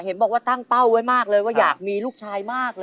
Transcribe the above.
เห็นบอกว่าตั้งเป้าไว้มากเลยว่าอยากมีลูกชายมากเลย